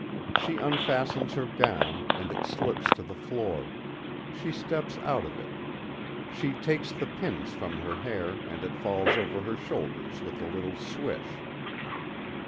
She unfastens her gown, and it slips to the floor; she steps out of it. She takes the pins from her hair and it falls over her shoulders with a little swish.